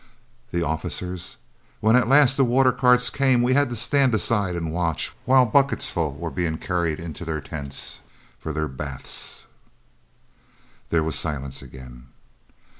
"The officers! When at last the water carts came, we had to stand aside and watch while bucketsful were being carried into the tents for their baths!" There was silence again.